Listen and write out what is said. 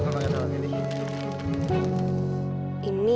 makasih banget nolong ini